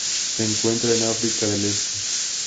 Se encuentra en África del Este.